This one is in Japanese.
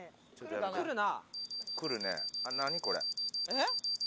えっ？